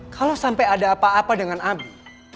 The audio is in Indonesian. kalau sampai ada apa apa dengan abi